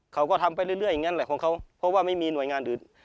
เขาก็ทำไปเรื่อยเพราะไม่มีหน่วยงานอื่น